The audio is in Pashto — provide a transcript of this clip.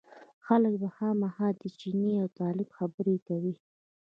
خلک به خامخا د چیني او طالب خبره کوي.